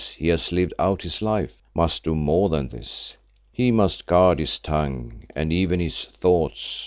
he has lived out his life), must do more than this. He must guard his tongue and even his thoughts!